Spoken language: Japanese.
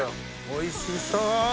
おいしそう！